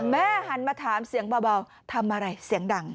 หันมาถามเสียงเบาทำอะไรเสียงดัง